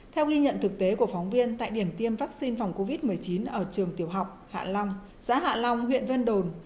theo ghi nhận thực tế của phóng viên tại điểm tiêm vaccine phòng covid một mươi chín ở trường tiểu học hạ long xã hạ long huyện vân đồn